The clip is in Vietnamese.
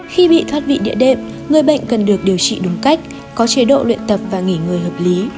khi bị thoát vị địa đệm người bệnh cần được điều trị đúng cách có chế độ luyện tập và nghỉ người hợp lý